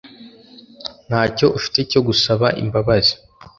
ntacyo ufite cyo gusaba imbabazi